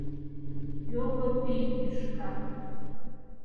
Його пий тӱшка!